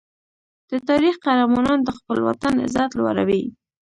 د تاریخ قهرمانان د خپل وطن عزت لوړوي.